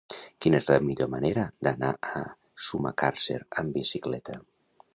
Quina és la millor manera d'anar a Sumacàrcer amb bicicleta?